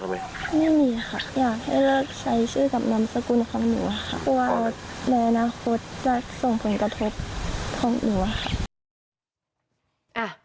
กลัวในอนาคตจะส่งผลกระทบของหนูครับ